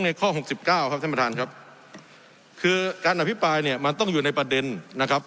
ข้อหกสิบเก้าครับท่านประธานครับคือการอภิปรายเนี่ยมันต้องอยู่ในประเด็นนะครับ